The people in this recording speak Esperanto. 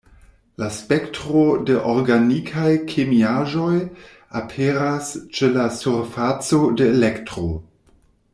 La spektro de organikaj kemiaĵoj aperas ĉe la surfaco de Elektro.